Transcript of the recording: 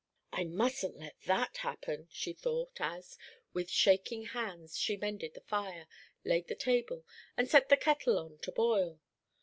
"I mustn't let that happen," she thought, as, with shaking hands, she mended the fire, laid the table, and set the kettle on to boil.